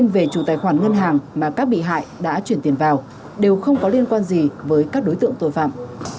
ngân hàng mà các bị hại đã chuyển tiền vào đều không có liên quan gì với các đối tượng tội phạm